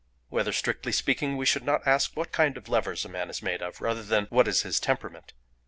Whether strictly speaking we should not ask what kind of levers a man is made of rather than what is his temperament?